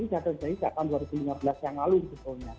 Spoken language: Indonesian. tak terjadi pada tahun dua ribu lima belas yang lalu